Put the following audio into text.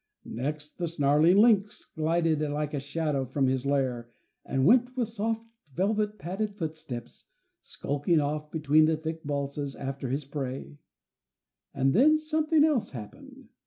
Next, the snarling lynx glided like a shadow from his lair, and went, with soft, velvet padded footsteps, skulking off between the thick balsams after his prey; and then something else happened.